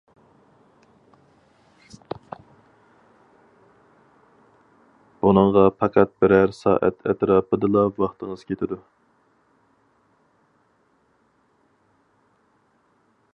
بۇنىڭغا پەقەت بىرەر سائەت ئەتراپىدىلا ۋاقتىڭىز كېتىدۇ.